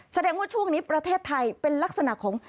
แสดงว่าช่วงนี้ประเทศไทยเป็นลักษณะของ